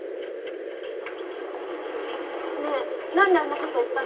ねえ何であんなこと言ったの？